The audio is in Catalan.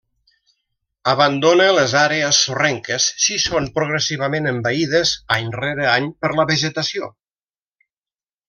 Abandona les àrees sorrenques si són progressivament envaïdes, any rere any, per la vegetació.